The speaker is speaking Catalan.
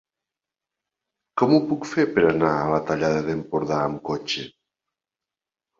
Com ho puc fer per anar a la Tallada d'Empordà amb cotxe?